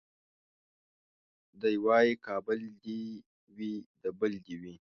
دی وايي کابل دي وي د بل دي وي